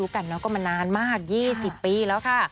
ก็มานานมาก๒๐ปีแล้วค่ะ